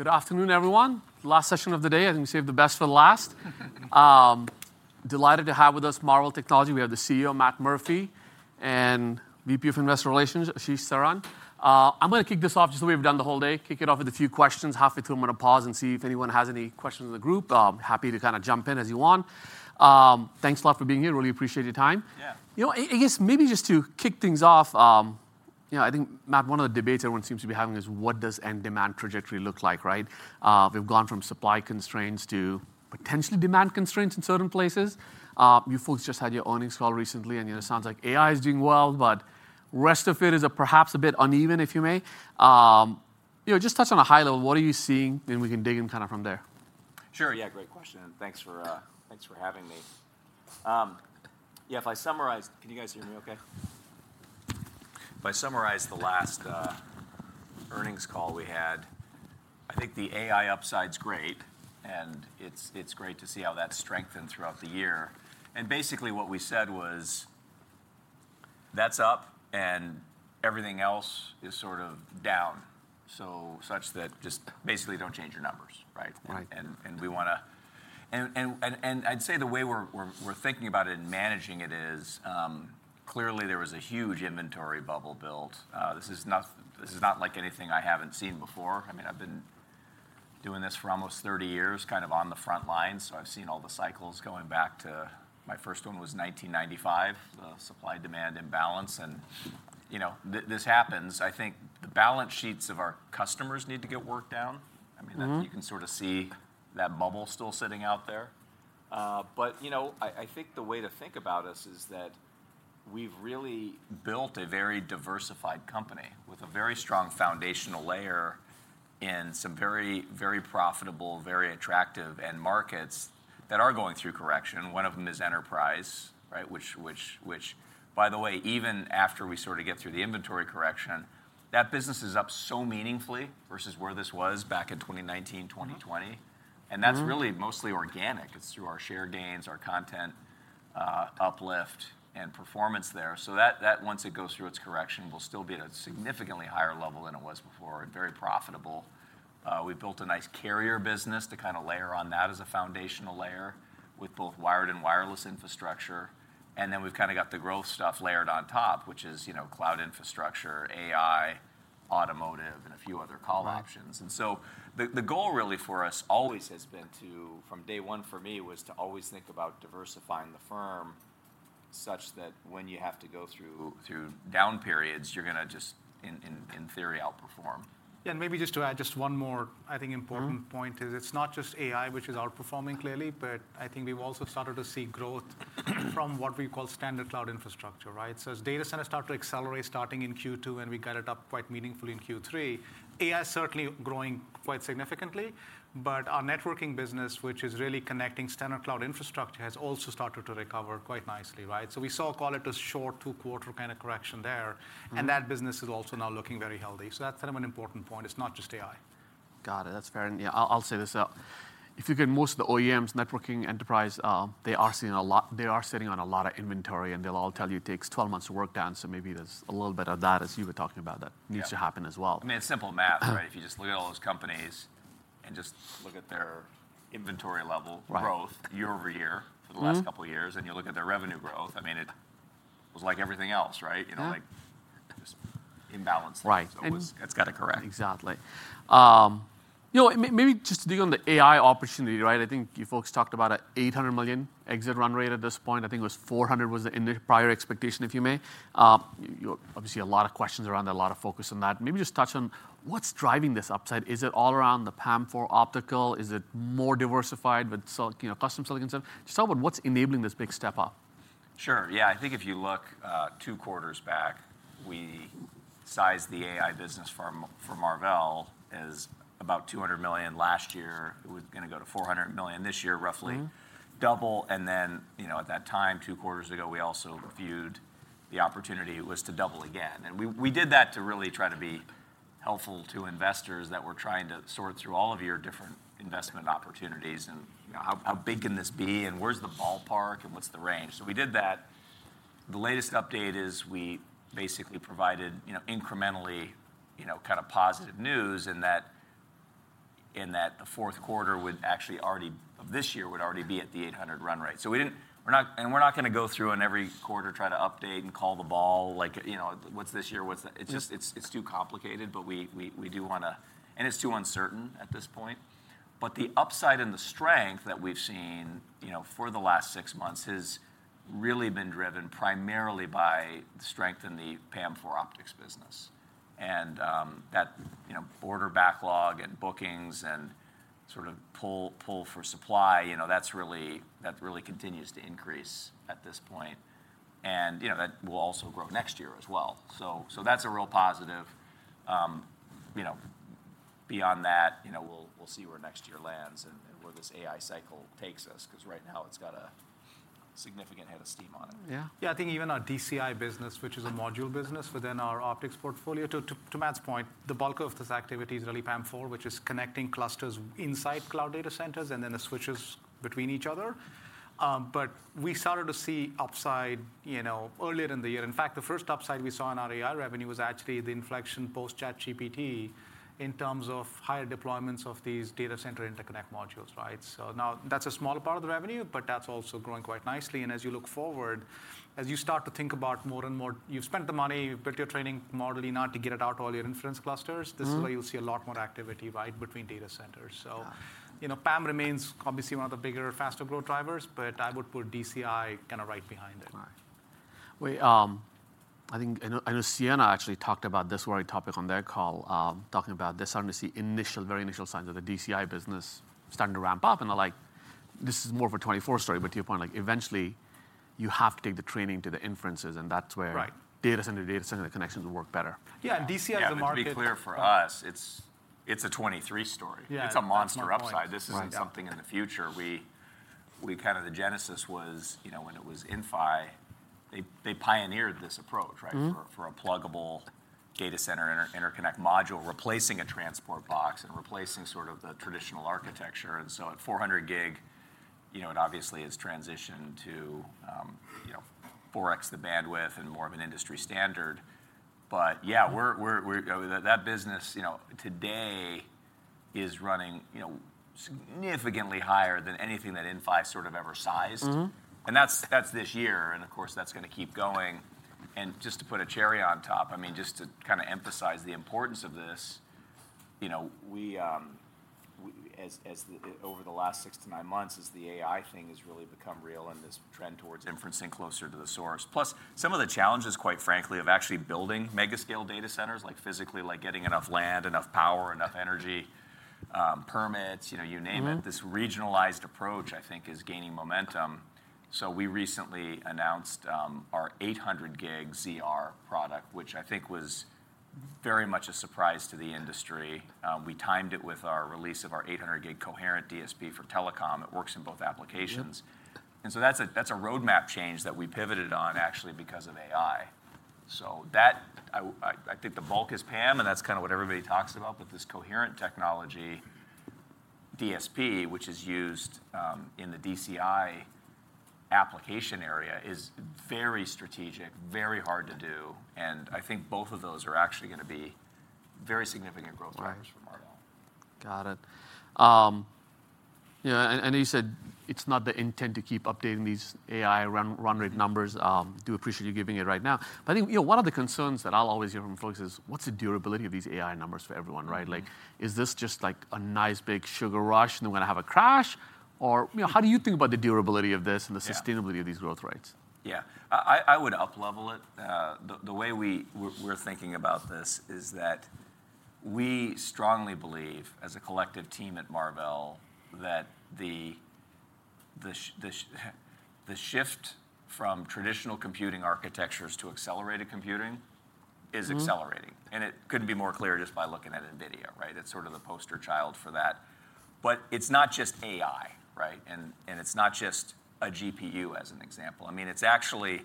Good afternoon, everyone. Last session of the day, I think we saved the best for last. Delighted to have with us Marvell Technology. We have the CEO, Matt Murphy, and VP of Investor Relations, Ashish Saran. I'm gonna kick this off just the way we've done the whole day, kick it off with a few questions. Halfway through, I'm gonna pause and see if anyone has any questions in the group. Happy to kind of jump in as you want. Thanks a lot for being here. Really appreciate your time. Yeah. You know, I guess maybe just to kick things off, you know, I think, Matt, one of the debates everyone seems to be having is: What does end demand trajectory look like, right? We've gone from supply constraints to potentially demand constraints in certain places. You folks just had your earnings call recently, and, you know, it sounds like AI is doing well, but rest of it is, perhaps a bit uneven, if you may. You know, just touch on a high level, what are you seeing? Then we can dig in kind of from there. Sure. Yeah, great question, and thanks for having me. Yeah, if I summarize, can you guys hear me okay? If I summarize the last earnings call we had, I think the AI upside's great, and it's great to see how that's strengthened throughout the year. And basically, what we said was, "That's up, and everything else is sort of down." So such that just basically, don't change your numbers, right? Right. And we'd say the way we're thinking about it and managing it is, clearly, there was a huge inventory bubble built. This is not like anything I haven't seen before. I mean, I've been doing this for almost 30 years, kind of on the front lines, so I've seen all the cycles going back to... My first one was 1995, the supply-demand imbalance, and, you know, this happens. I think the balance sheets of our customers need to get worked down. Mm-hmm. I mean, that, you can sort of see that bubble still sitting out there. But, you know, I think the way to think about us is that we've really built a very diversified company with a very strong foundational layer in some very, very profitable, very attractive end markets that are going through correction. One of them is enterprise, right? Which, by the way, even after we sort of get through the inventory correction, that business is up so meaningfully versus where this was back in 2019, 2020. Mm-hmm. And that's really mostly organic. It's through our share gains, our content, uplift, and performance there. So that, once it goes through its correction, will still be at a significantly higher level than it was before and very profitable. We've built a nice carrier business to kind of layer on that as a foundational layer, with both wired and wireless infrastructure. And then, we've kind of got the growth stuff layered on top, which is, you know, cloud infrastructure, AI, automotive, and a few other call options. Right. And so the goal really for us always has been to, from day one for me, was to always think about diversifying the firm, such that when you have to go through down periods, you're gonna just, in theory, outperform. Yeah, and maybe just to add just one more, I think, important- Mm-hmm... point is, it's not just AI, which is outperforming, clearly, but I think we've also started to see growth from what we call standard cloud infrastructure, right? So as data centers start to accelerate, starting in Q2, and we got it up quite meaningfully in Q3, AI is certainly growing quite significantly. But our networking business, which is really connecting standard cloud infrastructure, has also started to recover quite nicely, right? So we saw, call it, a short two-quarter kind of correction there- Mm-hmm... and that business is also now looking very healthy. So that's kind of an important point. It's not just AI. Got it. That's fair, and yeah, I'll, I'll say this: If you get most of the OEMs networking enterprise, they are seeing a lot, they are sitting on a lot of inventory, and they'll all tell you it takes 12 months to work down, so maybe there's a little bit of that, as you were talking about, that- Yeah... needs to happen as well. I mean, it's simple math, right? If you just look at all those companies and just look at their inventory level- Right... growth year-over-year- Mm-hmm... for the last couple of years, and you look at their revenue growth, I mean, it was like everything else, right? Yeah. You know, like, just imbalance. Right, and- So it's gotta correct. Exactly. You know, maybe just to dig on the AI opportunity, right? I think you folks talked about a $800 million exit run rate at this point. I think it was $400 was the prior expectation, if I may. You obviously a lot of questions around that, a lot of focus on that. Maybe just touch on what's driving this upside. Is it all around the PAM4 optical? Is it more diversified with you know, custom silicon stuff? Just talk about what's enabling this big step up. Sure, yeah. I think if you look two quarters back, we sized the AI business for Mar- for Marvell as about $200 million last year. It was gonna go to $400 million this year, roughly- Mm-hmm... double, and then, you know, at that time, two quarters ago, we also viewed the opportunity was to double again. And we, we did that to really try to be helpful to investors that were trying to sort through all of your different investment opportunities, and, you know, "How, how big can this be, and where's the ballpark, and what's the range?" So we did that. The latest update is, we basically provided, you know, incrementally, you know, kind of positive news, in that, in that the fourth quarter would actually already... of this year, would already be at the 800 run rate. So we didn't- we're not- and we're not gonna go through in every quarter, try to update and call the ball, like, you know, "What's this year? What's the- Mm-hmm. It's just too complicated, but we do wanna... It's too uncertain at this point. But the upside and the strength that we've seen, you know, for the last six months has really been driven primarily by strength in the PAM4 optics business. And that, you know, order backlog and bookings and sort of pull for supply, you know, that's really continues to increase at this point. And, you know, that will also grow next year as well. So that's a real positive. You know, beyond that, you know, we'll see where next year lands and where this AI cycle takes us, 'cause right now, it's got a significant head of steam on it. Yeah. Yeah, I think even our DCI business, which is a module business within our optics portfolio, to Matt's point, the bulk of this activity is really PAM-4, which is connecting clusters inside cloud data centers and then the switches between each other. But we started to see upside, you know, earlier in the year. In fact, the first upside we saw in our AI revenue was actually the inflection post-ChatGPT in terms of higher deployments of these data center interconnect modules, right? So now, that's a smaller part of the revenue, but that's also growing quite nicely. And as you look forward, as you start to think about more and more... You've spent the money, you've built your training model, now to get it out to all your inference clusters- Mm. This is where you'll see a lot more activity, right, between data centers. Yeah. You know, PAM remains obviously one of the bigger, faster growth drivers, but I would put DCI kind of right behind it. Right. Wait, I think I know, I know Ciena actually talked about this very topic on their call, talking about they're starting to see initial, very initial signs of the DCI business starting to ramp up. And I like, this is more of a 2024 story, but to your point, like, eventually, you have to take the training to the inferences, and that's where- Right... data center to data center connections will work better. Yeah, and DCI is a market- Yeah, but to be clear, for us, it's, it's a 2023 story. Yeah. It's a monster upside. That's my point. This isn't something in the future. We kind of the genesis was, you know, when it was Inphi, they pioneered this approach, right? Mm. For a pluggable data center interconnect module, replacing a transport box and replacing sort of the traditional architecture. And so at 400 gig, you know, it obviously has transitioned to, you know, 4x the bandwidth and more of an industry standard. But yeah, we're—that business, you know, today is running, you know, significantly higher than anything that Inphi sort of ever sized. Mm-hmm. That's, that's this year, and of course, that's going to keep going. And just to put a cherry on top, I mean, just to kind of emphasize the importance of this, you know, we, as, as, over the last 6-9 months, as the AI thing has really become real and this trend towards inferencing closer to the source. Plus, some of the challenges, quite frankly, of actually building mega-scale data centers, like physically, like getting enough land, enough power, enough energy, permits, you know, you name it- Mm-hmm... this regionalized approach, I think, is gaining momentum. So we recently announced our 800 gig ZR product, which I think was very much a surprise to the industry. We timed it with our release of our 800 gig coherent DSP for telecom. It works in both applications. Yeah. So that's a roadmap change that we pivoted on, actually, because of AI. So that, I think the bulk is PAM, and that's kind of what everybody talks about. But this coherent technology, DSP, which is used in the DCI application area, is very strategic, very hard to do, and I think both of those are actually going to be very significant growth drivers. Right -for Marvell. Got it. Yeah, and you said it's not the intent to keep updating these AI run rate numbers. Do appreciate you giving it right now. But I think, you know, one of the concerns that I'll always hear from folks is, what's the durability of these AI numbers for everyone, right? Mm. Like, is this just like a nice, big sugar rush, and then we're going to have a crash? Or, you know, how do you think about the durability of this- Yeah... and the sustainability of these growth rates? Yeah. I would uplevel it. The way we're thinking about this is that we strongly believe, as a collective team at Marvell, that the shift from traditional computing architectures to accelerated computing is accelerating. Mm-hmm. And it couldn't be more clear just by looking at NVIDIA, right? It's sort of the poster child for that. But it's not just AI, right? And it's not just a GPU as an example. I mean, it's actually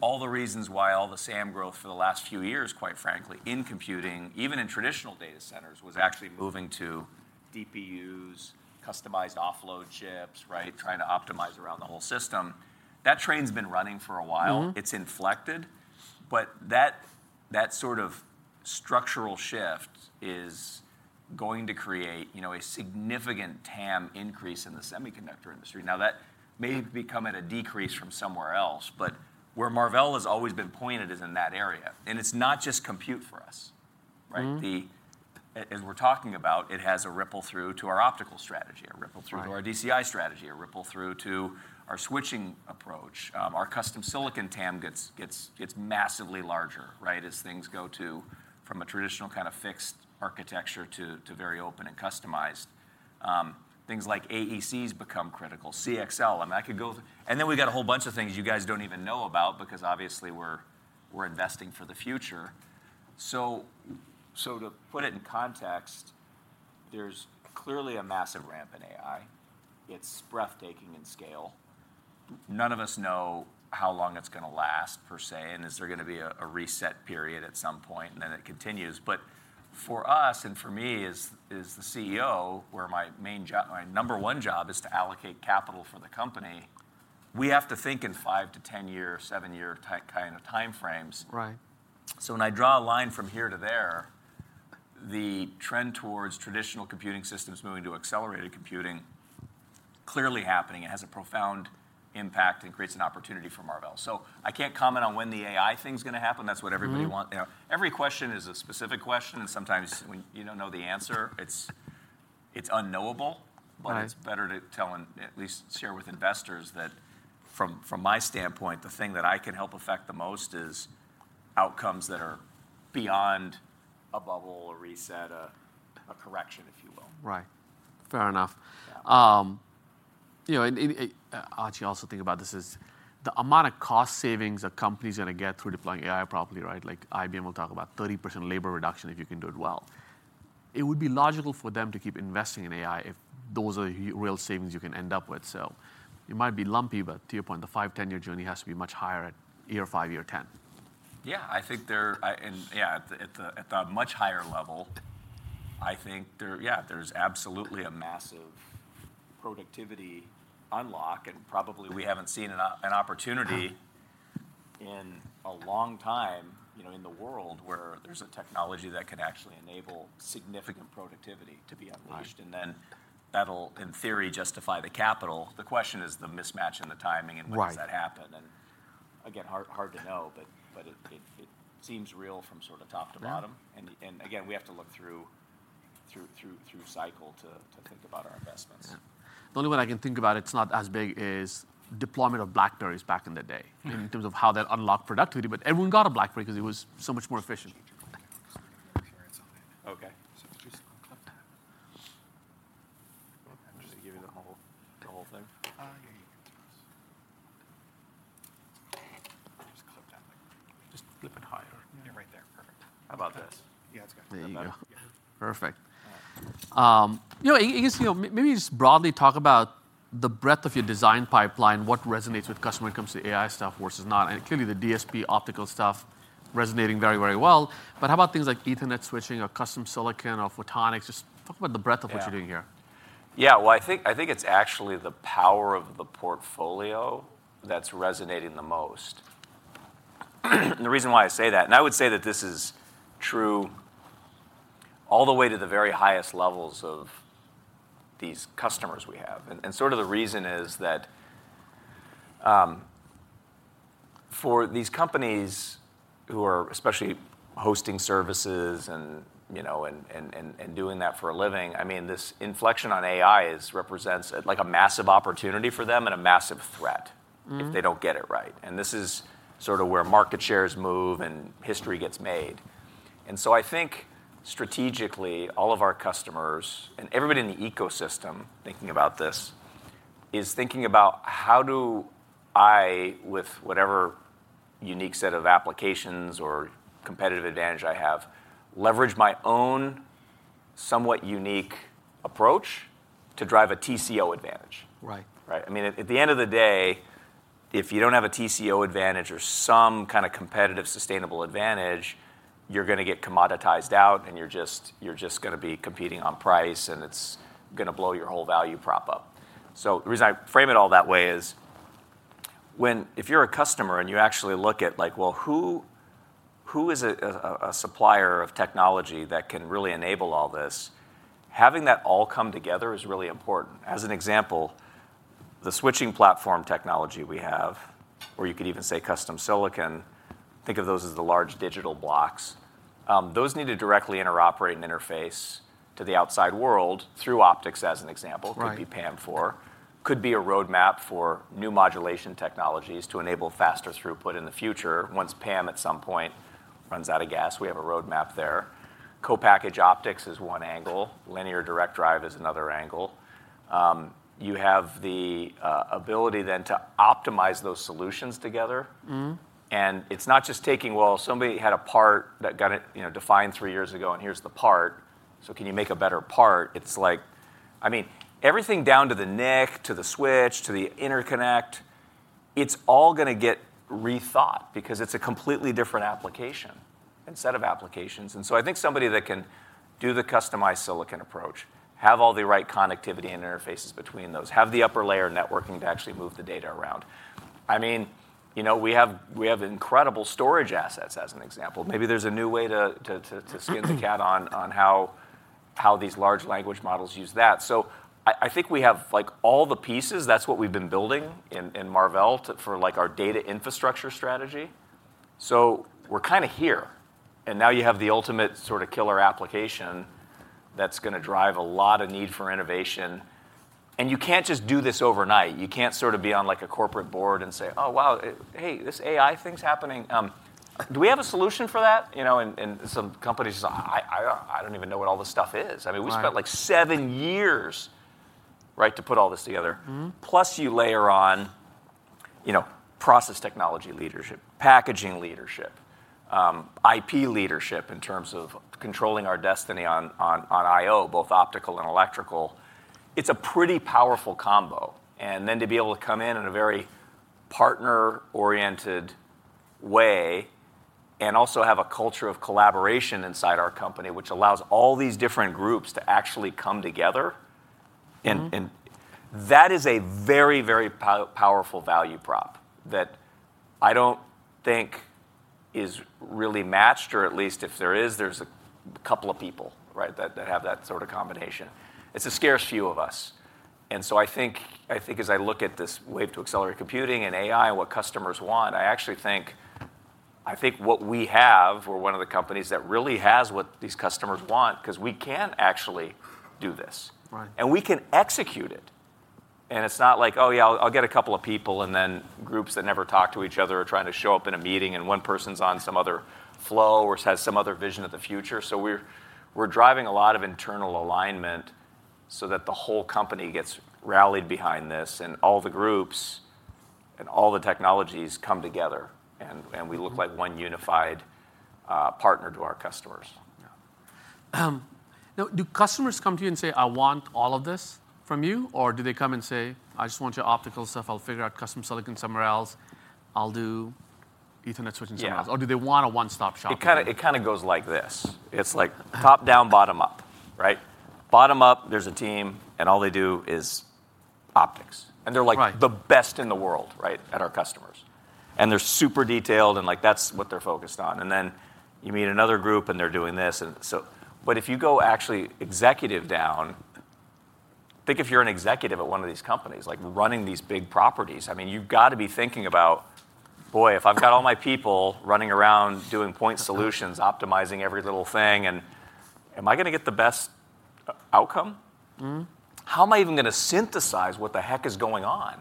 all the reasons why all the SAM growth for the last few years, quite frankly, in computing, even in traditional data centers, was actually moving to DPUs, customized offload chips, right? Trying to optimize around the whole system. That train's been running for a while. Mm-hmm. It's inflected, but that sort of structural shift is going to create, you know, a significant TAM increase in the semiconductor industry. Now, that may become at a decrease from somewhere else, but where Marvell has always been pointed is in that area, and it's not just compute for us, right? Mm-hmm. As we're talking about, it has a ripple-through to our optical strategy, a ripple-through. Right... to our DCI strategy, a ripple-through to our switching approach. Our custom silicon TAM gets massively larger, right, as things go from a traditional kind of fixed architecture to very open and customized. Things like AECs become critical, CXL, I mean, I could go on. And then we got a whole bunch of things you guys don't even know about because obviously, we're investing for the future. So to put it in context, there's clearly a massive ramp in AI. It's breathtaking in scale. None of us know how long it's going to last, per se, and is there going to be a reset period at some point, and then it continues. But for us, and for me as the CEO, where my number one job is to allocate capital for the company, we have to think in 5-10-year, 7-year kind of time frames. Right. So when I draw a line from here to there, the trend towards traditional computing systems moving to accelerated computing, clearly happening. It has a profound impact and creates an opportunity for Marvell. So I can't comment on when the AI thing's going to happen. Mm-hmm. That's what everybody want, you know, every question is a specific question, and sometimes when you don't know the answer, it's unknowable. Right. But it's better to tell and at least share with investors that from my standpoint, the thing that I can help affect the most is outcomes that are beyond a bubble, a reset, a correction, if you will. Right. Fair enough. Yeah. You know, actually, I also think about this is, the amount of cost savings a company's going to get through deploying AI properly, right? Like IBM will talk about 30% labor reduction if you can do it well. It would be logical for them to keep investing in AI if those are the real savings you can end up with. So it might be lumpy, but to your point, the 5, 10-year journey has to be much higher at year 5, year 10. Yeah, I think they're, and yeah, at the much higher level, I think there's absolutely a massive productivity unlock, and probably we haven't seen an opportunity in a long time, you know, in the world, where there's a technology that can actually enable significant productivity to be unleashed. Right. And then that'll, in theory, justify the capital. The question is the mismatch in the timing- Right... and when does that happen? And again, hard to know, but it seems real from sort of top to bottom. Yeah. Again, we have to look through cycle to think about our investments. Yeah. The only one I can think about, it's not as big, is deployment of BlackBerrys back in the day- Mm... in terms of how that unlocked productivity. But everyone got a BlackBerry 'cause it was so much more efficient.... Okay, so just clip that. I'm just giving the whole, the whole thing? Yeah, yeah. Just clip that. Just a little bit higher. Yeah, right there. Perfect. How about this? Yeah, it's good. There you go. Yeah. Perfect. You know, I guess, you know, maybe just broadly talk about the breadth of your design pipeline, what resonates with customer when it comes to AI stuff versus not, and clearly, the DSP optical stuff resonating very, very well. But how about things like Ethernet switching, or custom silicon, or photonics? Just talk about the breadth of what you're doing here. Yeah. Yeah, well, I think, I think it's actually the power of the portfolio that's resonating the most. And the reason why I say that, and I would say that this is true all the way to the very highest levels of these customers we have. And sort of the reason is that, for these companies who are especially hosting services and, you know, doing that for a living, I mean, this inflection on AI is, represents, like, a massive opportunity for them and a massive threat- Mm... if they don't get it right. This is sort of where market shares move and history gets made. So I think strategically, all of our customers and everybody in the ecosystem thinking about this is thinking about how do I, with whatever unique set of applications or competitive advantage I have, leverage my own somewhat unique approach to drive a TCO advantage? Right. Right. I mean, at the end of the day, if you don't have a TCO advantage or some kind of competitive, sustainable advantage, you're gonna get commoditized out, and you're just gonna be competing on price, and it's gonna blow your whole value prop up. So the reason I frame it all that way is, if you're a customer, and you actually look at, like, well, who is a supplier of technology that can really enable all this? Having that all come together is really important. As an example, the switching platform technology we have, or you could even say custom silicon, think of those as the large digital blocks. Those need to directly interoperate and interface to the outside world through optics, as an example. Right... could be PAM4, could be a roadmap for new modulation technologies to enable faster throughput in the future. Once PAM, at some point, runs out of gas, we have a roadmap there. Co-packaged optics is one angle, linear direct drive is another angle. You have the ability then to optimize those solutions together. Mm-hmm. It's not just taking, well, somebody had a part that got, you know, defined three years ago, and here's the part, so can you make a better part? It's like... I mean, everything down to the NIC, to the switch, to the interconnect, it's all gonna get rethought because it's a completely different application and set of applications. So I think somebody that can do the customized silicon approach, have all the right connectivity and interfaces between those, have the upper layer networking to actually move the data around. I mean, you know, we have incredible storage assets, as an example. Maybe there's a new way to skin the cat on how these large language models use that. So I think we have, like, all the pieces. That's what we've been building in Marvell for, like, our data infrastructure strategy. So we're kind of here, and now you have the ultimate sort of killer application that's gonna drive a lot of need for innovation, and you can't just do this overnight. You can't sort of be on, like, a corporate board and say, "Oh, wow, hey, this AI thing's happening. Do we have a solution for that?" You know, and some companies just, "I don't even know what all this stuff is. Right. I mean, we spent, like, 7 years, right, to put all this together. Mm-hmm. Plus, you layer on, you know, process technology leadership, packaging leadership, IP leadership in terms of controlling our destiny on IO, both optical and electrical. It's a pretty powerful combo, and then to be able to come in in a very partner-oriented way, and also have a culture of collaboration inside our company, which allows all these different groups to actually come together- Mm-hmm... And that is a very, very powerful value prop that I don't think is really matched, or at least if there is, there's a couple of people, right, that have that sort of combination. It's a scarce few of us, and so I think as I look at this wave to accelerate computing and AI and what customers want, I actually think what we have, we're one of the companies that really has what these customers want 'cause we can actually do this. Right. We can execute it, and it's not like, "Oh, yeah, I'll, I'll get a couple of people," and then groups that never talk to each other are trying to show up in a meeting, and one person's on some other flow or has some other vision of the future. So we're driving a lot of internal alignment so that the whole company gets rallied behind this, and all the groups and all the technologies come together, and we look like one unified partner to our customers. Yeah. Now, do customers come to you and say, "I want all of this from you?" Or do they come and say, "I just want your optical stuff, I'll figure out custom silicon somewhere else. I'll do Ethernet switching somewhere else"- Yeah. or do they want a one-stop shop? It kinda, it kinda goes like this: It's like top-down, bottom-up, right? Bottom up, there's a team, and all they do is optics. Right. They're like the best in the world, right, at our customers. They're super detailed, and like, that's what they're focused on. Then you meet another group, and they're doing this, and so. But if you go actually executive down, think if you're an executive at one of these companies, like, running these big properties, I mean, you've got to be thinking about, "Boy, if I've got all my people running around, doing point solutions, optimizing every little thing, and am I gonna get the best outcome? Mm-hmm. How am I even gonna synthesize what the heck is going on?"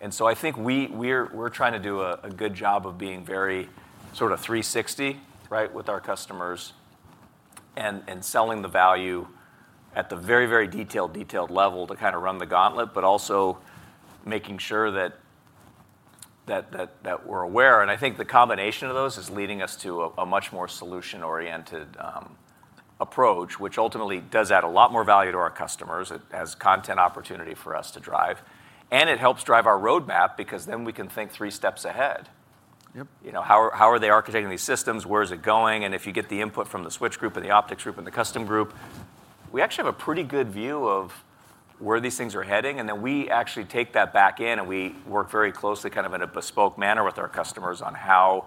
And so I think we're trying to do a good job of being very sort of 360, right, with our customers, and selling the value at the very, very detailed, detailed level to kinda run the gauntlet, but also making sure that we're aware. And I think the combination of those is leading us to a much more solution-oriented approach, which ultimately does add a lot more value to our customers. It adds content opportunity for us to drive, and it helps drive our roadmap because then we can think three steps ahead. Yep. You know, how are, how are they architecting these systems? Where is it going? And if you get the input from the switch group, and the optics group, and the custom group, we actually have a pretty good view of where these things are heading, and then we actually take that back in, and we work very closely, kind of in a bespoke manner, with our customers on how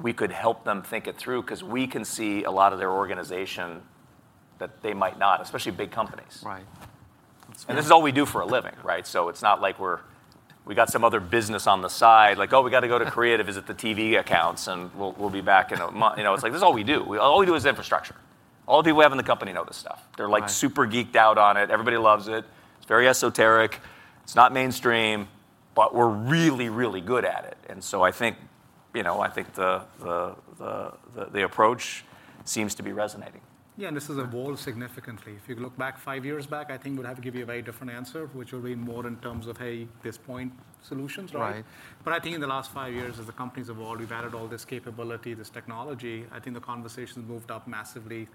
we could help them think it through. 'Cause we can see a lot of their organization that they might not, especially big companies. Right. That's great. This is all we do for a living, right? So it's not like we're... We got some other business on the side, like, "Oh, we gotta go to creative visit the TV accounts, and we'll be back in a month." You know, it's like this is all we do. All we do is infrastructure. All the people we have in the company know this stuff. Right. They're, like, super geeked out on it. Everybody loves it. It's very esoteric, it's not mainstream, but we're really, really good at it. And so I think, you know, I think the approach seems to be resonating. Yeah, and this has evolved significantly. If you look back 5 years back, I think we'd have to give you a very different answer, which will be more in terms of, hey, this point solutions, right? Right. But I think in the last five years, as the companies have evolved, we've added all this capability, this technology. I think the conversation's moved up massively.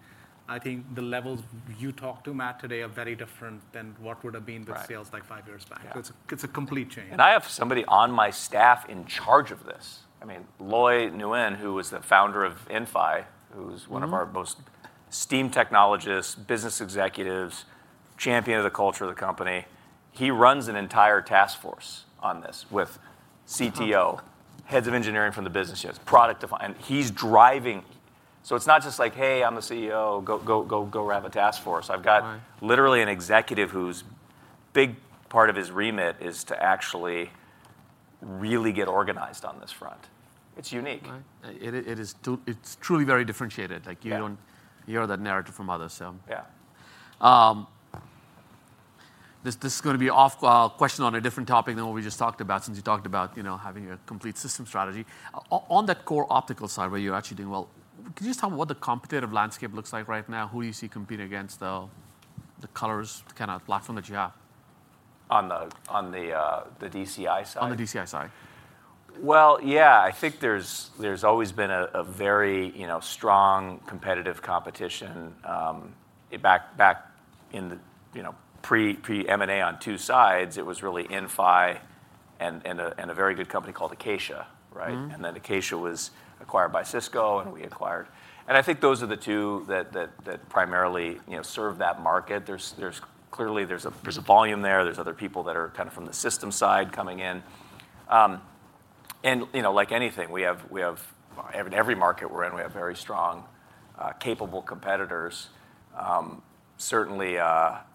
I think the levels you talk to Matt today are very different than what would have been- Right... the sales like 5 years back. Yeah. It's a complete change. I have somebody on my staff in charge of this. I mean, Loi Nguyen, who was the founder of Inphi- Mm-hmm... who's one of our most esteemed technologists, business executives, champion of the culture of the company, he runs an entire task force on this, with CTO, heads of engineering from the business units, product defi- and he's driving. So it's not just like, "Hey, I'm the CEO, go, go, go, go run a task force. Right. I've got literally an executive whose big part of his remit is to actually really get organized on this front. It's unique. Right. It's truly very differentiated. Yeah. Like, you don't hear that narrative from others, so... Yeah. This, this is gonna be off question on a different topic than what we just talked about, since you talked about, you know, having a complete system strategy. On that core optical side, where you're actually doing well, could you just tell me what the competitive landscape looks like right now? Who do you see competing against the, the COLORZ, the kind of platform that you have? On the DCI side? On the DCI side. Well, yeah, I think there's always been a very, you know, strong competitive competition. Back in the, you know, pre-M&A on two sides, it was really Inphi and a very good company called Acacia, right? Mm-hmm. And then Acacia was acquired by Cisco, and we acquired. And I think those are the two that primarily, you know, serve that market. Clearly, there's a volume there. There's other people that are kind of from the system side coming in. And, you know, like anything, we have in every market we're in, we have very strong capable competitors. Certainly,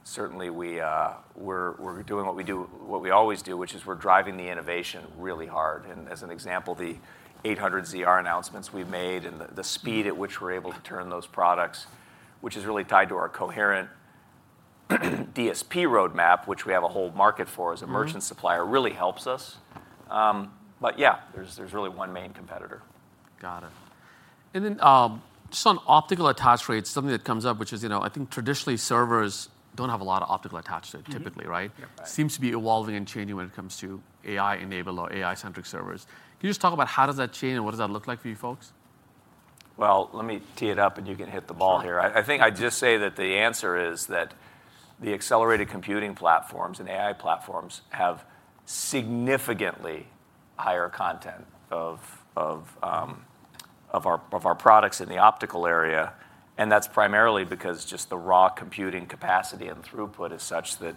certainly, we're doing what we do, what we always do, which is we're driving the innovation really hard. And as an example, the 800 ZR announcements we've made and the speed at which we're able to turn those products, which is really tied to our coherent DSP roadmap, which we have a whole market for- Mm-hmm... as a merchant supplier, really helps us. But yeah, there's really one main competitor. Got it. Then, just on optical attach rates, something that comes up, which is, you know, I think traditionally, servers don't have a lot of optical attach to it- Mm-hmm... typically, right? Yeah, right. Seems to be evolving and changing when it comes to AI-enabled or AI-centric servers. Can you just talk about how does that change, and what does that look like for you folks? Well, let me tee it up, and you can hit the ball here. Sure. I think I'd just say that the answer is that the accelerated computing platforms and AI platforms have significantly higher content of our products in the optical area, and that's primarily because just the raw computing capacity and throughput is such that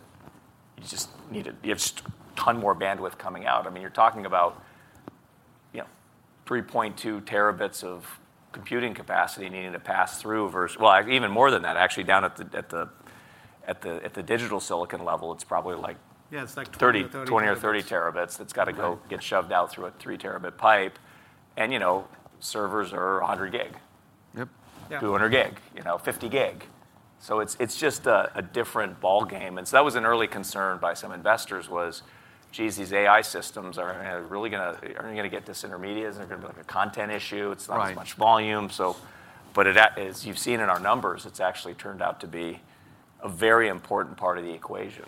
you just need a... You have just a ton more bandwidth coming out. I mean, you're talking about, you know, 3.2 Tbps of computing capacity needing to pass through versus... Well, even more than that, actually, down at the digital silicon level, it's probably like- Yeah, it's like 30, 30 terabits.... 30, 20 or 30 terabits, that's gotta go get shoved out through a 3-terabit pipe. And, you know, servers are 100 gig. Yep. Yeah. 200 gig, you know, 50 gig. So it's just a different ballgame. And so that was an early concern by some investors was, geez, these AI systems are really gonna... Aren't gonna get this intermediacy. They're gonna be, like, a content issue. Right. It's not as much volume, so. But as you've seen in our numbers, it's actually turned out to be a very important part of the equation.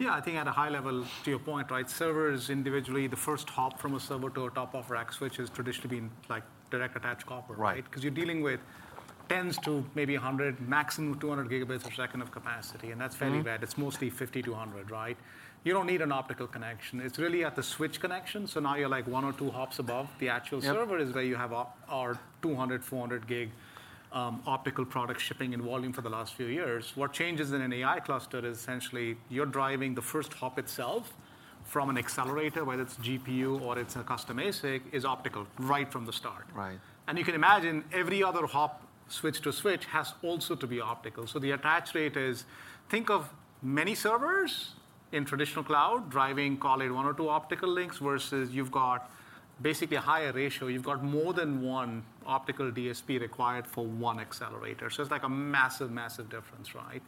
Yeah, I think at a high level, to your point, right? Servers individually, the first hop from a server to a top-of-rack switch has traditionally been like direct attach copper, right? Right. 'Cause you're dealing with tens to maybe 100, maximum 200 Gbps of capacity, and that's fairly bad. Mm-hmm. It's mostly 50-100, right? You don't need an optical connection. It's really at the switch connection. So now you're like one or two hops above the actual- Yep Server is where you have a, our 200, 400 gig optical product shipping and volume for the last few years. What changes in an AI cluster is essentially, you're driving the first hop itself from an accelerator, whether it's GPU or it's a custom ASIC, is optical right from the start. Right. You can imagine every other hop, switch to switch, has also to be optical. So the attach rate is... Think of many servers in traditional cloud, driving, call it one or two optical links, versus you've got basically a higher ratio. You've got more than one optical DSP required for one accelerator. So it's like a massive, massive difference, right?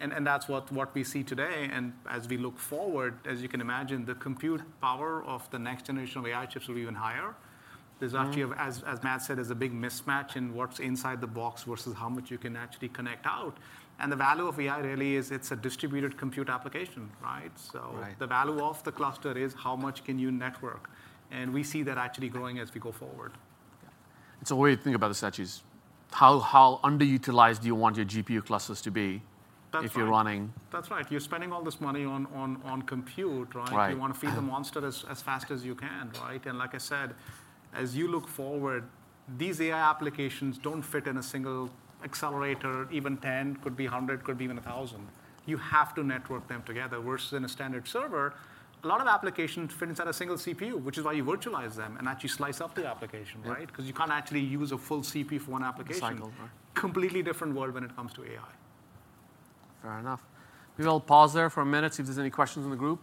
And, and that's what, what we see today, and as we look forward, as you can imagine, the compute power of the next generation of AI chips will be even higher. Mm-hmm. There's actually, as Matt said, there's a big mismatch in what's inside the box versus how much you can actually connect out. The value of AI really is it's a distributed compute application, right? Right. The value of the cluster is how much can you network, and we see that actually growing as we go forward. Yeah. And so a way to think about this, actually, is how underutilized do you want your GPU clusters to be- That's right... if you're running- That's right. You're spending all this money on compute, right? Right. You want to feed the monster as fast as you can, right? Like I said, as you look forward, these AI applications don't fit in a single accelerator, even 10, could be 100, could be even a 1,000. You have to network them together. Versus in a standard server, a lot of applications fit inside a single CPU, which is why you virtualize them and actually slice up the application, right? Yeah. 'Cause you can't actually use a full CPU for one application. Cycle, right. Completely different world when it comes to AI. Fair enough. Maybe I'll pause there for a minute, see if there's any questions in the group.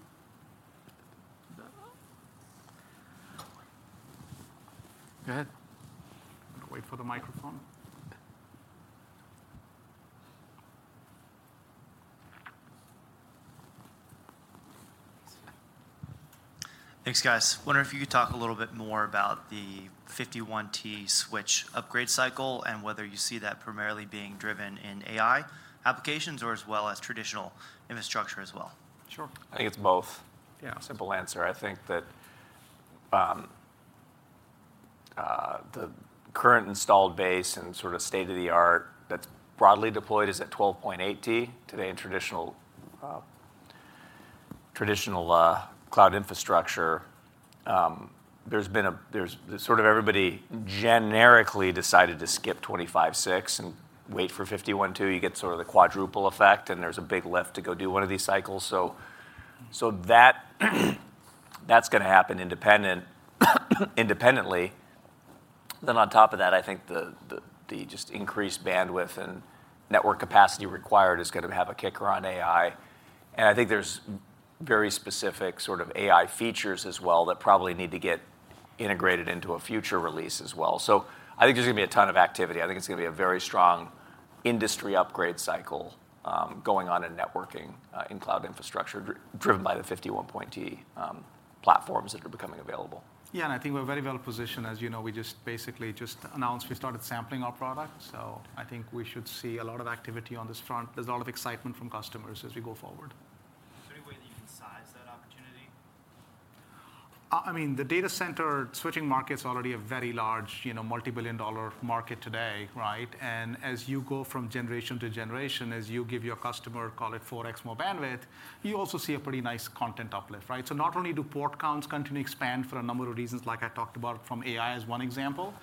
Go ahead. Wait for the microphone. Thanks, guys. Wondering if you could talk a little bit more about the 51 T switch upgrade cycle, and whether you see that primarily being driven in AI applications or as well as traditional infrastructure as well? Sure. I think it's both. Yeah. Simple answer. I think that the current installed base and sort of state-of-the-art that's broadly deployed is at 12.8 T. Today, in traditional cloud infrastructure, there's sort of everybody generically decided to skip 25.6 and wait for 51.2. You get sort of the quadruple effect, and there's a big lift to go do one of these cycles, so that that's gonna happen independently. Then on top of that, I think the just increased bandwidth and network capacity required is gonna have a kicker on AI, and I think there's very specific sort of AI features as well that probably need to get integrated into a future release as well. So I think there's gonna be a ton of activity. I think it's gonna be a very strong industry upgrade cycle, going on in networking, in cloud infrastructure, driven by the 51.2T platforms that are becoming available. Yeah, and I think we're very well positioned. As you know, we just basically just announced we started sampling our product, so I think we should see a lot of activity on this front. There's a lot of excitement from customers as we go forward. Is there any way that you can size that opportunity? I mean, the data center switching market's already a very large, you know, multi-billion-dollar market today, right? And as you go from generation to generation, as you give your customer, call it 4X more bandwidth, you also see a pretty nice content uplift, right? So not only do port counts continue to expand for a number of reasons, like I talked about from AI as one example,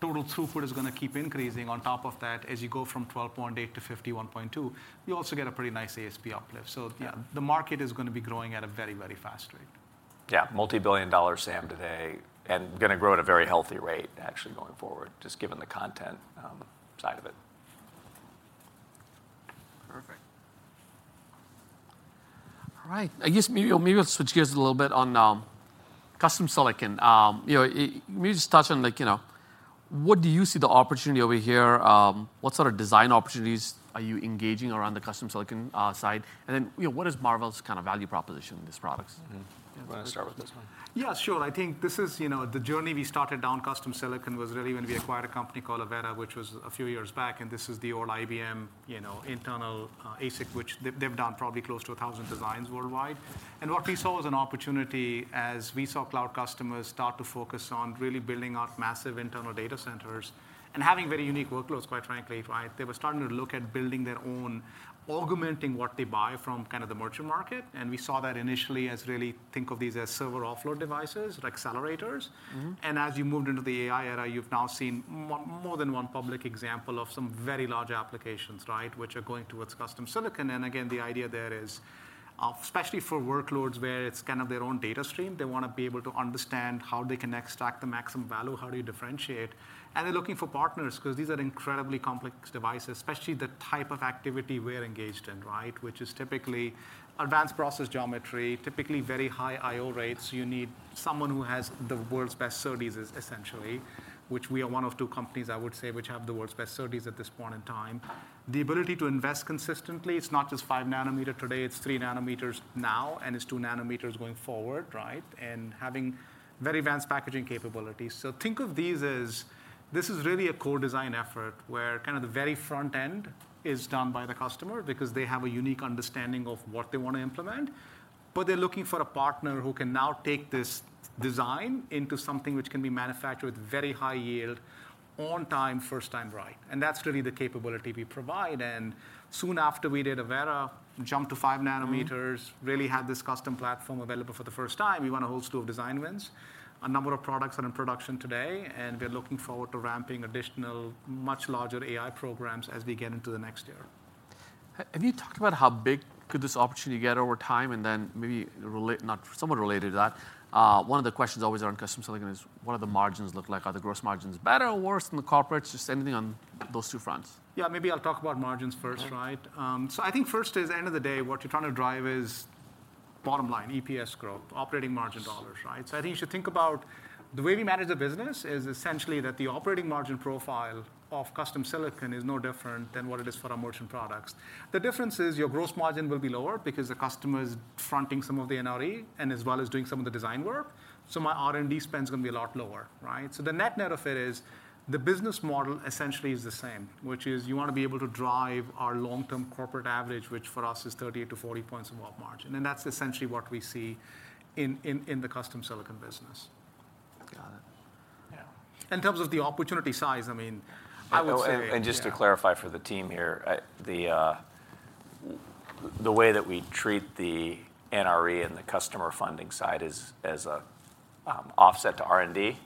total throughput is gonna keep increasing on top of that. As you go from 12.8 to 51.2, you also get a pretty nice ASP uplift. Yeah. The market is gonna be growing at a very, very fast rate. Yeah, multi-billion dollar SAM today, and gonna grow at a very healthy rate, actually, going forward, just given the content side of it. Perfect. All right, I guess maybe we'll, maybe we'll switch gears a little bit on, custom silicon. You know, may we just touch on like, you know, what do you see the opportunity over here? What sort of design opportunities are you engaging around the custom silicon side? And then, you know, what is Marvell's kind of value proposition in these products? Mm-hmm. You wanna start with this one? Yeah, sure. I think this is, you know, the journey we started down custom silicon was really when we acquired a company called Avera, which was a few years back, and this is the old IBM, you know, internal ASIC, which they've done probably close to 1,000 designs worldwide. And what we saw was an opportunity, as we saw cloud customers start to focus on really building out massive internal data centers and having very unique workloads, quite frankly, right? They were starting to look at building their own, augmenting what they buy from kind of the merchant market, and we saw that initially as really think of these as server offload devices or accelerators. Mm-hmm. And as you moved into the AI era, you've now seen more, more than one public example of some very large applications, right? Which are going towards custom silicon. And again, the idea there is, especially for workloads where it's kind of their own data stream, they wanna be able to understand how they can extract the maximum value, how do you differentiate? And they're looking for partners, 'cause these are incredibly complex devices, especially the type of activity we're engaged in, right? Which is typically advanced process geometry, typically very high IO rates. You need someone who has the world's best services, essentially, which we are one of two companies, I would say, which have the world's best services at this point in time. The ability to invest consistently, it's not just 5 nanometer today, it's 3 nanometers now, and it's 2 nanometers going forward, right? Having very advanced packaging capabilities. Think of these as, this is really a co-design effort, where kind of the very front end is done by the customer, because they have a unique understanding of what they want to implement. But they're looking for a partner who can now take this-... design into something which can be manufactured with very high yield, on time, first time, right? And that's really the capability we provide, and soon after we did Avera, jumped to 5 nanometers, really had this custom platform available for the first time. We won a whole slew of design wins. A number of products are in production today, and we are looking forward to ramping additional, much larger AI programs as we get into the next year. Have you talked about how big could this opportunity get over time? And then maybe relate—not, somewhat related to that, one of the questions always around custom silicon is: What do the margins look like? Are the gross margins better or worse than the corporates? Just anything on those two fronts. Yeah, maybe I'll talk about margins first, right? Okay. So, I think first is, end of the day, what you're trying to drive is bottom line, EPS growth, operating margin dollars, right? Sure. So I think you should think about the way we manage the business is essentially that the operating margin profile of custom silicon is no different than what it is for our merchant products. The difference is your gross margin will be lower because the customer is fronting some of the NRE and as well as doing some of the design work, so my R&D spend's gonna be a lot lower, right? So the net-net of it is the business model essentially is the same, which is you want to be able to drive our long-term corporate average, which for us is 38-40 points of op margin, and that's essentially what we see in the custom silicon business. Got it. Yeah. In terms of the opportunity size, I mean, I would say—Oh, and just to clarify for the team here, the way that we treat the NRE and the customer funding side is as a offset to R&D. Mm-hmm.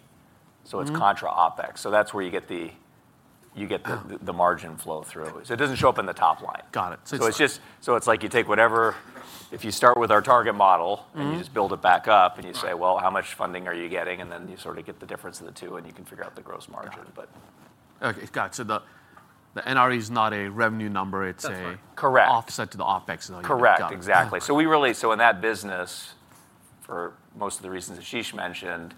So it's contra OpEx. So that's where you get the margin flow through. So it doesn't show up in the top line. Got it. So it's- So it's like you take whatever. If you start with our target model- Mm-hmm... and you just build it back up, and you say- Right... "Well, how much funding are you getting?" And then you sort of get the difference of the two, and you can figure out the gross margin. Got it. But- Okay, got it. So the NRE is not a revenue number, it's a- That's right. Correct.... offset to the OpEx. Correct. Got it. Exactly. Yeah. So we really— So in that business, for most of the reasons that Aashish mentioned,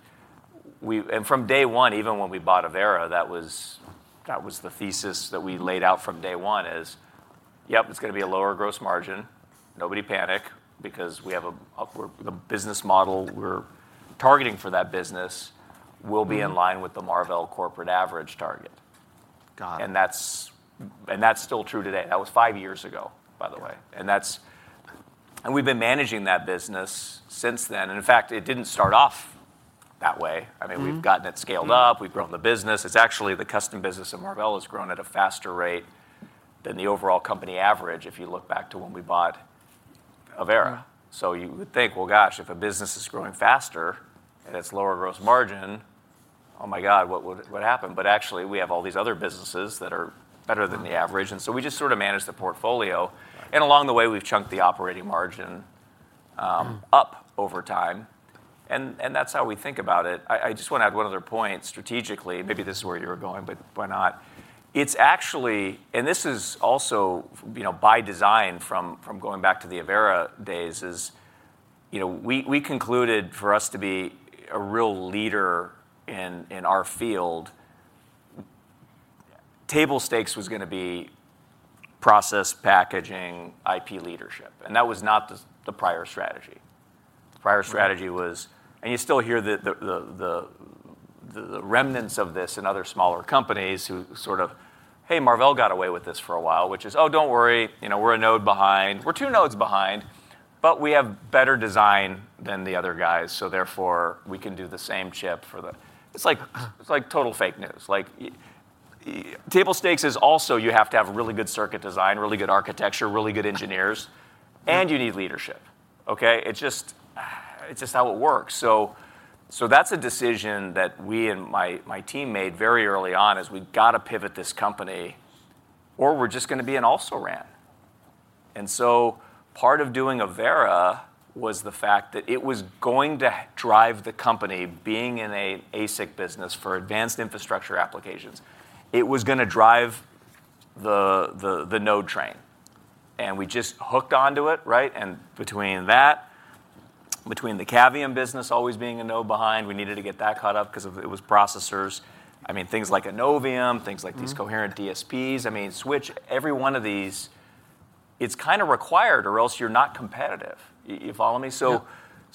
we— And from day one, even when we bought Avera, that was, that was the thesis that we laid out from day one is, "Yep, it's gonna be a lower gross margin. Nobody panic because we have a—the business model we're targeting for that business- Mm... will be in line with the Marvell corporate average target. Got it. That's still true today. That was 5 years ago, by the way. Yeah. And we've been managing that business since then, and in fact, it didn't start off that way. Mm-hmm. I mean, we've gotten it scaled up. Mm. We've grown the business. It's actually, the custom business at Marvell has grown at a faster rate than the overall company average, if you look back to when we bought Avera. Mm. So you would think, well, gosh, if a business is growing faster and it's lower gross margin, oh, my God, what would... what happened? But actually, we have all these other businesses that are better than the average. Mm. We just sort of managed the portfolio- Right... and along the way, we've chunked the operating margin. Mm... up over time, and that's how we think about it. I just want to add one other point strategically, maybe this is where you were going, but why not? It's actually, and this is also, you know, by design from going back to the Avera days, you know, we concluded for us to be a real leader in our field, table stakes was gonna be process, packaging, IP leadership, and that was not the prior strategy. Mm. The prior strategy was... And you still hear the remnants of this in other smaller companies who sort of, "Hey, Marvell got away with this for a while," which is, "Oh, don't worry, you know, we're a node behind. We're two nodes behind, but we have better design than the other guys, so therefore, we can do the same chip for the..." It's like, it's like total fake news. Like, table stakes is also, you have to have really good circuit design, really good architecture, really good engineers- Mm... and you need leadership. Okay? It's just, it's just how it works. So, so that's a decision that we and my team made very early on, is we've got to pivot this company or we're just gonna be an also-ran. And so part of doing Avera was the fact that it was going to drive the company, being in an ASIC business for advanced infrastructure applications. It was gonna drive the node train, and we just hooked onto it, right? And between that, between the Cavium business always being a node behind, we needed to get that caught up 'cause it was processors. I mean, things like Innovium, things like- Mm... these Coherent DSPs, I mean, switch, every one of these, it's kind of required or else you're not competitive. You follow me?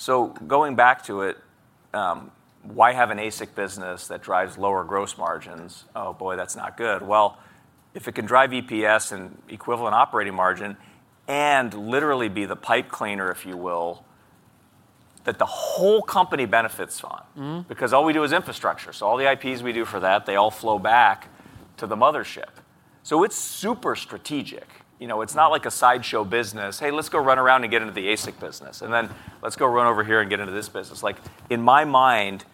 Yeah. Going back to it, why have an ASIC business that drives lower gross margins? Oh, boy, that's not good. Well, if it can drive EPS and equivalent operating margin and literally be the pipe cleaner, if you will, that the whole company benefits from. Mm. Because all we do is infrastructure, so all the IPs we do for that, they all flow back to the mothership. So it's super strategic. You know, it's not like a sideshow business. "Hey, let's go run around and get into the ASIC business, and then let's go run over here and get into this business." Like, in my mind,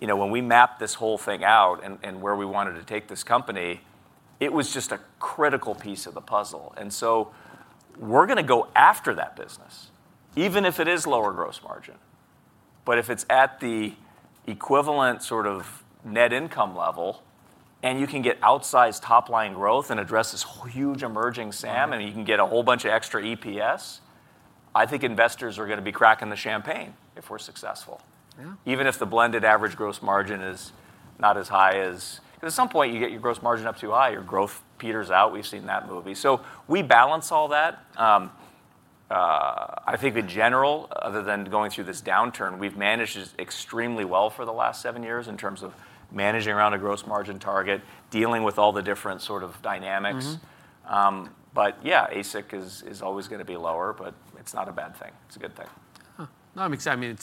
you know, when we mapped this whole thing out and where we wanted to take this company, it was just a critical piece of the puzzle, and so we're gonna go after that business, even if it is lower gross margin. But if it's at the equivalent sort of net income level, and you can get outsized top-line growth and address this whole huge emerging SAM- Mm... and you can get a whole bunch of extra EPS. I think investors are gonna be cracking the champagne if we're successful. Yeah. Even if the blended average gross margin is not as high as... 'Cause at some point, you get your gross margin up too high, your growth peters out. We've seen that movie. So we balance all that. I think in general, other than going through this downturn, we've managed this extremely well for the last seven years in terms of managing around a gross margin target, dealing with all the different sort of dynamics. Mm-hmm.... but yeah, ASIC is always gonna be lower, but it's not a bad thing. It's a good thing. No, I mean, 'cause, I mean,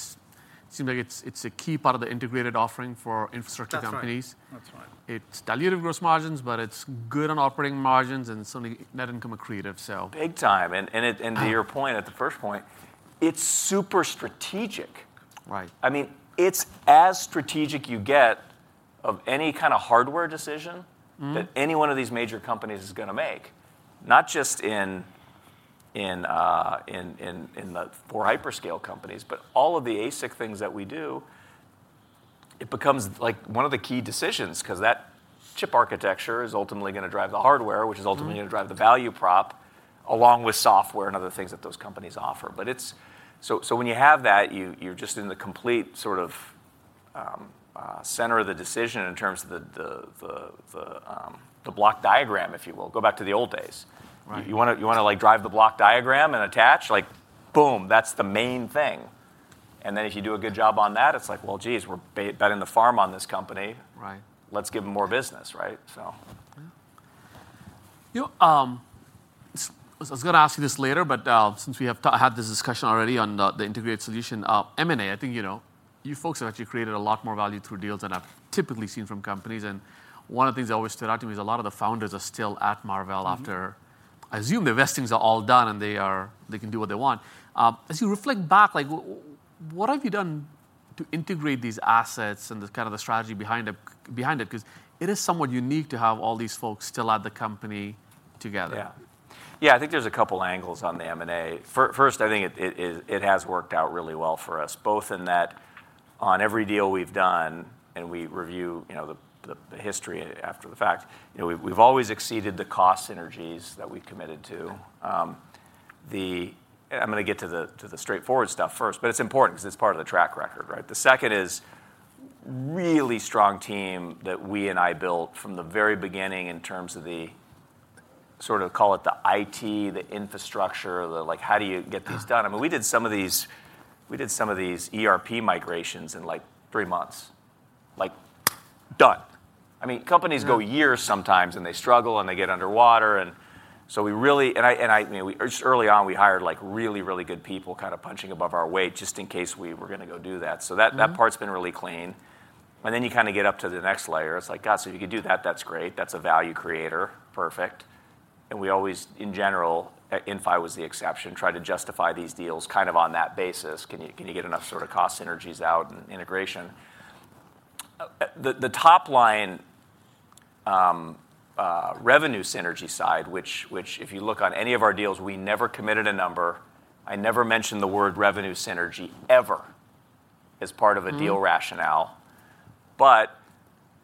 it seems like it's, it's a key part of the integrated offering for infrastructure companies. That's right. That's right. It's dilutive gross margins, but it's good on operating margins and certainly net income accretive, so- Big time, and it- Yeah... and to your point, at the first point, it's super strategic. Right. I mean, it's as strategic you get of any kind of hardware decision- Mm... that any one of these major companies is gonna make, not just in the four hyperscale companies, but all of the ASIC things that we do, it becomes, like, one of the key decisions, 'cause that chip architecture is ultimately gonna drive the hardware, which is ultimately- Mm... gonna drive the value prop, along with software and other things that those companies offer. But it's... So when you have that, you're just in the complete sort of center of the decision in terms of the block diagram, if you will. Go back to the old days. Right. You wanna, like, drive the block diagram and attach, like, boom, that's the main thing. And then if you do a good job on that, it's like, well, geez, we're betting the farm on this company- Right... let's give them more business, right? So- Yeah. You know, I was gonna ask you this later, but since we had this discussion already on the integrated solution, M&A, I think, you know, you folks have actually created a lot more value through deals than I've typically seen from companies. And one of the things that always stood out to me is a lot of the founders are still at Marvell after- Mm-hmm... I assume divestitures are all done, and they are, they can do what they want. As you reflect back, like, what have you done to integrate these assets and the kind of the strategy behind them, behind it? 'Cause it is somewhat unique to have all these folks still at the company together. Yeah. Yeah, I think there's a couple angles on the M&A. First, I think it has worked out really well for us, both in that, on every deal we've done, and we review, you know, the history after the fact, you know, we've always exceeded the cost synergies that we've committed to. Yeah. I'm gonna get to the, to the straightforward stuff first, but it's important 'cause it's part of the track record, right? The second is really strong team that we and I built from the very beginning in terms of the sort of, call it the IT, the infrastructure, the, like, how do you get these done? Mm. I mean, we did some of these, we did some of these ERP migrations in, like, three months. Like, done. I mean, companies- Mm ...go years sometimes, and they struggle, and they get underwater, and so we really... And I, and I, you know, we just early on, we hired, like, really, really good people, kind of punching above our weight, just in case we were gonna go do that. Mm-hmm. So that, that part's been really clean. And then you kind of get up to the next layer. It's like, God, so you can do that, that's great. That's a value creator. Perfect. And we always, in general, Inphi was the exception, tried to justify these deals kind of on that basis. Can you get enough sort of cost synergies out and integration? The top line, revenue synergy side, which if you look on any of our deals, we never committed a number. I never mentioned the word revenue synergy ever as part of a deal rationale. Mm. But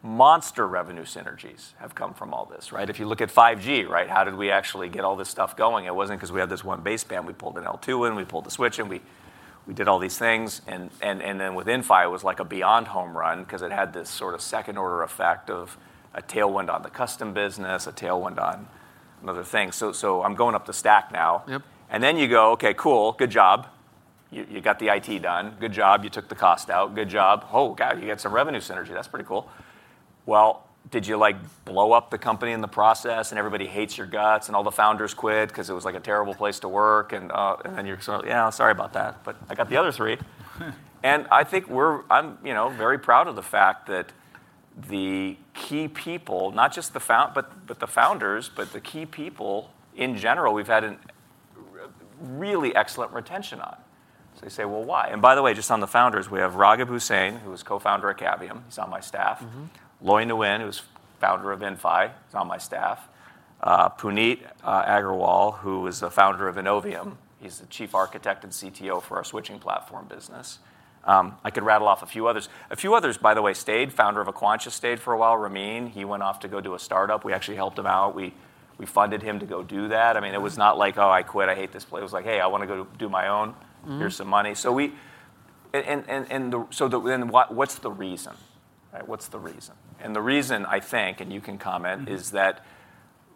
monster revenue synergies have come from all this, right? If you look at 5G, right, how did we actually get all this stuff going? It wasn't 'cause we had this one baseband. We pulled an L2 in, we pulled a switch, and we did all these things, and then with Inphi, it was like a beyond home run, 'cause it had this sort of second-order effect of a tailwind on the custom business, a tailwind on another thing. So I'm going up the stack now. Yep. And then you go: Okay, cool, good job. You, you got it done. Good job, you took the cost out. Good job. Oh, God, you got some revenue synergy. That's pretty cool. Well, did you, like, blow up the company in the process, and everybody hates your guts, and all the founders quit 'cause it was, like, a terrible place to work? And, and then you're sort of, "Yeah, sorry about that, but I got the other three." And I think we're... I'm, you know, very proud of the fact that the key people, not just the founders, but the key people in general, we've had a really excellent retention on. So you say, "Well, why?" And by the way, just on the founders, we have Raghib Hussain, who was co-founder of Cavium. He's on my staff. Mm-hmm. Loi Nguyen, who's founder of Inphi, is on my staff. Puneet Agarwal, who is the founder of Innovium, he's the chief architect and CTO for our switching platform business. I could rattle off a few others. A few others, by the way, stayed. Founder of Aquantia stayed for a while, Ramin. He went off to go do a start-up. We actually helped him out. We funded him to go do that. Mm. I mean, it was not like, "Oh, I quit. I hate this place." It was like: "Hey, I wanna go do my own. Mm-hmm. Here's some money." So we... then what, what's the reason? Right, what's the reason? And the reason, I think, and you can comment- Mm... is that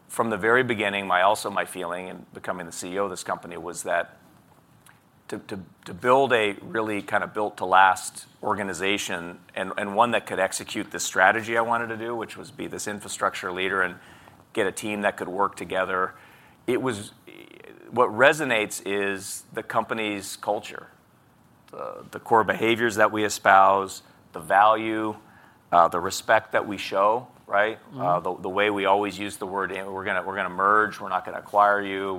from the very beginning, also my feeling in becoming the CEO of this company, was that to build a really kind of built-to-last organization, and one that could execute the strategy I wanted to do, which was be this infrastructure leader and get a team that could work together, it was... What resonates is the company's culture, the core behaviors that we espouse, the value, the respect that we show, right? Mm-hmm. The way we always use the word in, we're gonna merge, we're not gonna acquire you.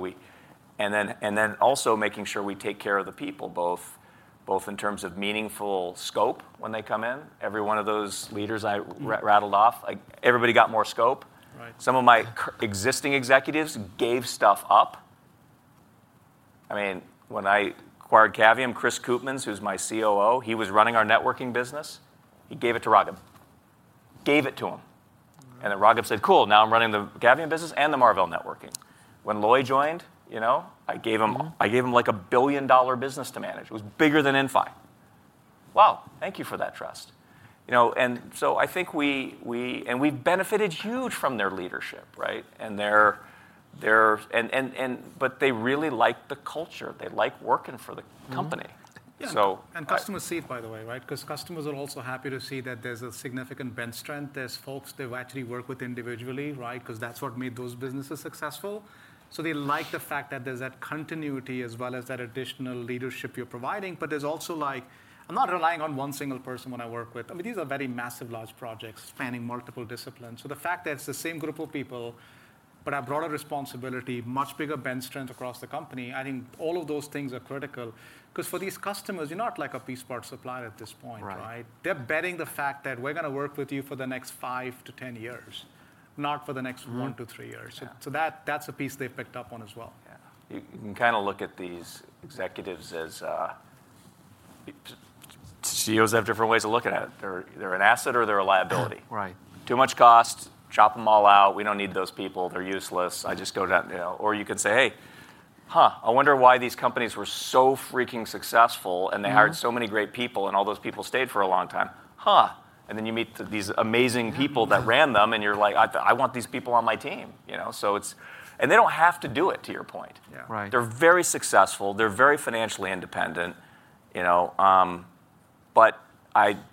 And then also making sure we take care of the people, both in terms of meaningful scope when they come in. Every one of those leaders I rattled off, like, everybody got more scope. Right. Some of my existing executives gave stuff up. I mean, when I acquired Cavium, Chris Koopmans, who's my COO, he was running our networking business. He gave it to Raghib, gave it to him. Mm. Then Raghib said, "Cool, now I'm running the Cavium business and the Marvell networking." When Loi joined, you know, I gave him- Mm... I gave him, like, a billion-dollar business to manage. It was bigger than Inphi. Wow, thank you for that trust. You know, and so I think we, we- and we've benefited huge from their leadership, right? And their, their, and, and, and but they really like the culture. They like working for the company. Mm-hmm. So- Yeah, and customers see it, by the way, right? Because customers are also happy to see that there's a significant bench strength. There's folks they've actually worked with individually, right? Because that's what made those businesses successful. So they like the fact that there's that continuity as well as that additional leadership you're providing, but there's also like, I'm not relying on one single person when I work with. I mean, these are very massive, large projects spanning multiple disciplines. So the fact that it's the same group of people, but a broader responsibility, much bigger bench strength across the company, I think all of those things are critical. Because for these customers, you're not like a piece part supplier at this point, right? Right. They're betting the fact that we're gonna work with you for the next 5-10 years, not for the next 1-3 years. Yeah. That's a piece they've picked up on as well. Yeah. You can kind of look at these executives as CEOs have different ways of looking at it. They're, they're an asset or they're a liability. Right. Too much cost, chop them all out, we don't need those people, they're useless. I just go down, you know, or you could say, "Hey, huh, I wonder why these companies were so freaking successful- Mm... and they hired so many great people, and all those people stayed for a long time. Huh! And then you meet these amazing people that ran them, and you're like, "I- I want these people on my team," you know? So it's. And they don't have to do it, to your point. Yeah. Right. They're very successful. They're very financially independent, you know, but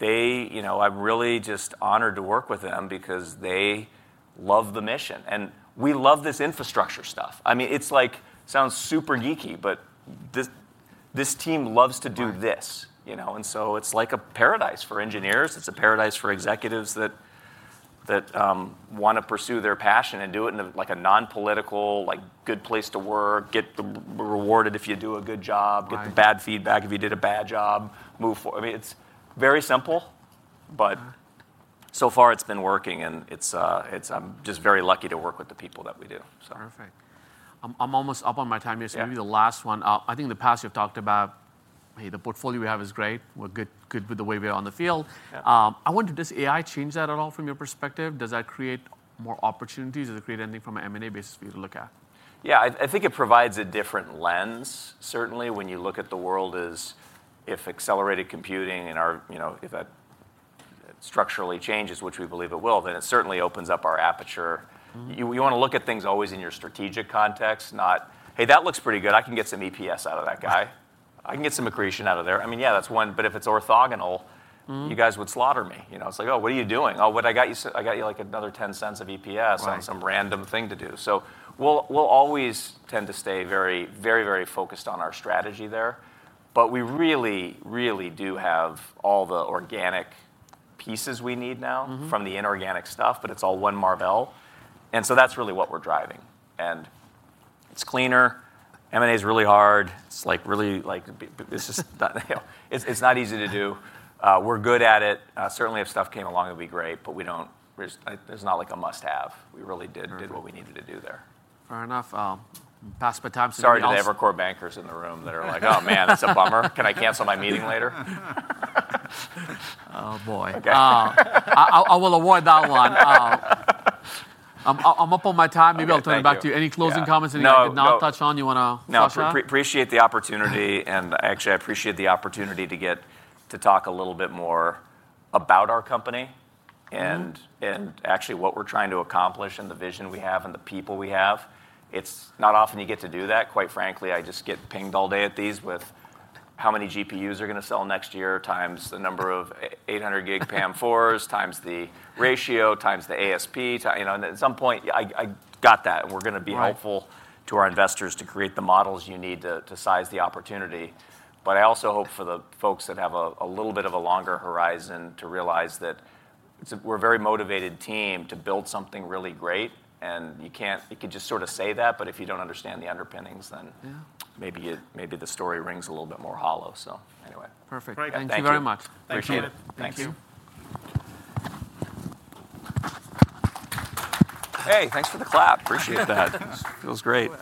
they, you know, I'm really just honored to work with them because they love the mission, and we love this infrastructure stuff. I mean, it's like, sounds super geeky, but this, this team loves to do this. Right. You know? And so it's like a paradise for engineers. It's a paradise for executives that want to pursue their passion and do it in a like a non-political like good place to work, get rewarded if you do a good job- Right... get the bad feedback if you did a bad job, move for-- I mean, it's very simple, but- Uh-huh... so far it's been working, and it's, I'm just very lucky to work with the people that we do, so. Perfect. I'm almost up on my time here. Yeah. So maybe the last one. I think in the past you've talked about, hey, the portfolio we have is great, we're good, good with the way we are on the field. Yeah. I wonder, does AI change that at all from your perspective? Does that create more opportunities? Does it create anything from an M&A basis for you to look at? Yeah, I think it provides a different lens, certainly, when you look at the world as if accelerated computing and our, you know, if that structurally changes, which we believe it will, then it certainly opens up our aperture. Mm-hmm. You want to look at things always in your strategic context, not "Hey, that looks pretty good, I can get some EPS out of that guy. I can get some accretion out of there." I mean, yeah, that's one, but if it's orthogonal- Mm... you guys would slaughter me. You know, it's like, "Oh, what are you doing?" "Oh, what I got you, I got you, like, another $0.10 of EPS- Right ...on some random thing to do." So we'll, we'll always tend to stay very, very, very focused on our strategy there, but we really, really do have all the organic pieces we need now- Mm-hmm... from the inorganic stuff, but it's all one Marvell, and so that's really what we're driving. And it's cleaner. M&A is really hard. It's like, really, like, this is, it's not easy to do. We're good at it. Certainly, if stuff came along, it'd be great, but we don't... There's, it's not like a must-have. We really did- Right... did what we needed to do there. Fair enough. I'll pass my time to someone else. Sorry to the Evercore bankers in the room that are like, "Oh, man, that's a bummer. Can I cancel my meeting later? Oh, boy. Okay. I will award that one. I'm up on my time. Okay, thank you. Maybe I'll turn it back to you. Any closing comments? Yeah... that you have not touched on, you wanna touch on? No, appreciate the opportunity, and actually, I appreciate the opportunity to get to talk a little bit more about our company. Mm-hmm, mm... and actually what we're trying to accomplish and the vision we have and the people we have. It's not often you get to do that. Quite frankly, I just get pinged all day at these with how many GPUs are gonna sell next year, times the number of 800 gig PAM4s... times the ratio, times the ASP. You know, and at some point, I got that. Right. We're gonna be helpful to our investors to create the models you need to size the opportunity. But I also hope for the folks that have a little bit of a longer horizon to realize that we're a very motivated team to build something really great, and you can't- you can just sort of say that, but if you don't understand the underpinnings, then- Yeah... maybe the story rings a little bit more hollow. So anyway. Perfect. Great. Thank you very much. Appreciate it. Thank you. Thank you. Hey, thanks for the clap. Appreciate that. Feels great.